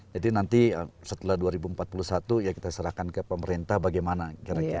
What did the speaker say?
jadi nanti setelah dua ribu empat puluh satu ya kita serahkan ke pemerintah bagaimana kira kira